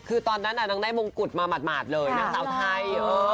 คือตอนนั้นนางได้มงกุฎมาหมาดเลยนางสาวไทย